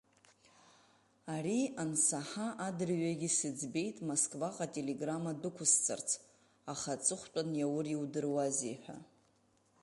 Ари ансаҳа, адырҩегь исыӡбеит Москваҟа ателеграмма дәықәысҵарц, аха аҵыхәтәан иаур иудыруази ҳәа.